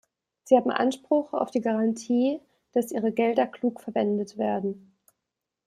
Sie haben Anspruch auf die Garantie, dass ihre Gelder klug verwendet werden.